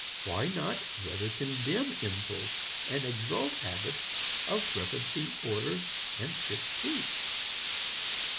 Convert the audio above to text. Why not rather condemn impulse and exalt habits of reverencing order and fixed truth?